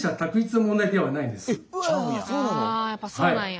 あやっぱそうなんや。